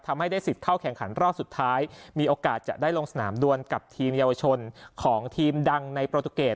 ได้สิทธิ์เข้าแข่งขันรอบสุดท้ายมีโอกาสจะได้ลงสนามดวนกับทีมเยาวชนของทีมดังในโปรตูเกต